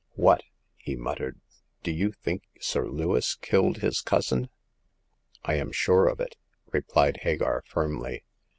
What !" he muttered, do you think Sir Lewis killed his cousin ?"I am sure of it !" replied Hagar, firmly.